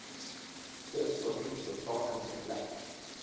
Search for a picture of Darker than black